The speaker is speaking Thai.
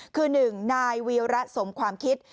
คือหนึ่งนายเวียระสมความคิด